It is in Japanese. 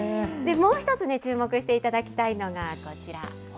もう１つね、注目していただきたいのがこちら。